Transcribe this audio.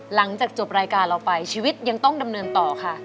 หลังจากจบรายการเราไปชีวิตยังต้องดำเนินต่อค่ะ